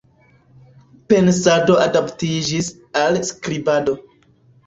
Pensado adaptiĝis al skribado.